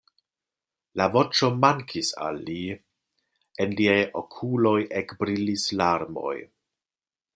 La voĉo mankis al li, en liaj okuloj ekbrilis larmoj.